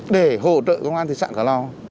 để hỗ trợ công an thị xã cửa lò